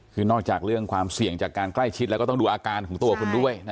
คือนอกจากเรื่องความเสี่ยงจากการใกล้ชิดแล้วก็ต้องดูอาการของตัวคุณด้วย